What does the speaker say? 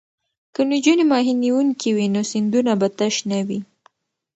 که نجونې ماهي نیونکې وي نو سیندونه به تش نه وي.